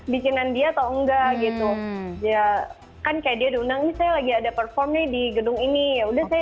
bikinan dia atau enggak gitu ya kan kayak dia diundang nih saya lagi ada perform nih di gedung ini yaudah saya